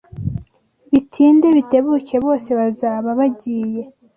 Bitinde bitebuke bose bazaba bagiye